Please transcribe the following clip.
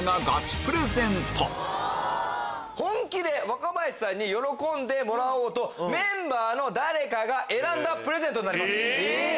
本気で若林さんに喜んでもらおうとメンバーの誰かが選んだプレゼントになります。